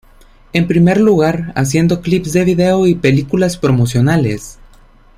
En primer lugar, haciendo clips de vídeo y películas promocionales.